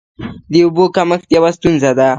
د اوبو کمښت یوه ستونزه ده.